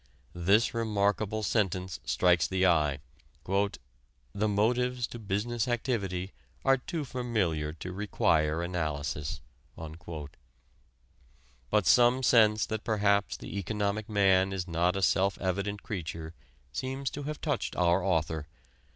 This remarkable sentence strikes the eye: "The motives to business activity are too familiar to require analysis." But some sense that perhaps the "economic man" is not a self evident creature seems to have touched our author.